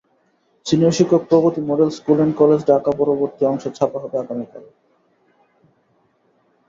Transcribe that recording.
Senior শিক্ষক, Pragati model school and college, ঢাকাপরবর্তী অংশ ছাপা হবে আগামীকাল।